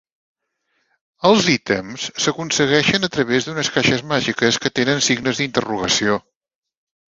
Els ítems s'aconsegueixen a través d'unes caixes màgiques que tenen signes d'interrogació.